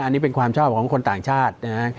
อันนี้เป็นความชอบของคนต่างชาตินะฮะ